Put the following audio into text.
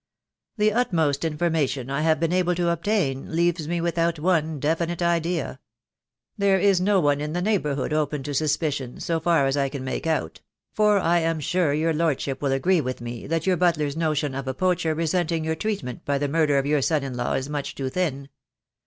"The utmost information I have been able to obtain leaves me without one definite idea. There is no one in the neighbourhood open to suspicion, so far as I can make out; for I am sure your lordship will agree with me that your butler's notion of a poacher resenting your treatment by the murder of your son in law is much too thin.